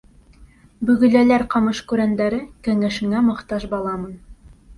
Бөгөләләр ҡамыш-күрәндәре Кәңәшеңә мохтаж баламын.